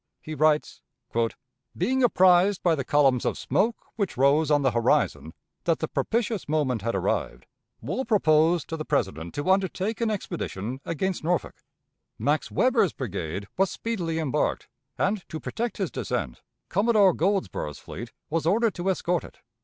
He writes: "Being apprised by the columns of smoke which rose on the horizon that the propitious moment had arrived, Wool proposed to the President to undertake an expedition against Norfolk. Max Weber's brigade was speedily embarked, and, to protect his descent, Commodore Goldsborough's fleet was ordered to escort it.